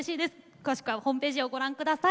詳しくは番組のホームページをご覧ください。